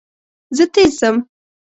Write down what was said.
زه تېز ځم.